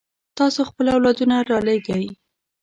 تاسو خپل اولادونه رالېږئ.